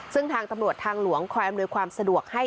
ซึ่งทางตำรวจทางหลวงคอยอำนวยความสะดวกให้